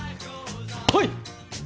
はい！